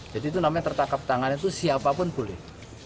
jadi itu namanya tertangkap tangan itu siapapun boleh